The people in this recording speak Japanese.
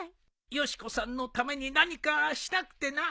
よし子さんのために何かしたくてな。